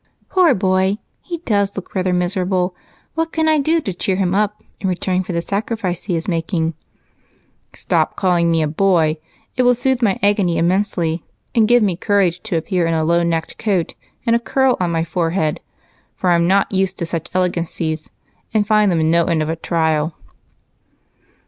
"Poor boy! He does look rather miserable. What can I do to cheer him up in return for the sacrifice he is making?" "Stop calling me a boy. It will soothe my agony immensely and give me courage to appear in a low necked coat and curl on my forehead, for I'm not used to such elegancies and I find them no end of a trial."